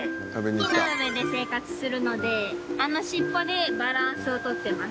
木の上で生活するのであの尻尾でバランスをとってます。